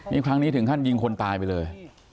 นี่ครั้งนี้ถึงขั้นยิงคนตายไปเลย